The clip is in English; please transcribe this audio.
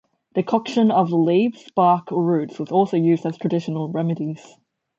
Decoction of the leaves, bark or roots was also used as traditional remedies.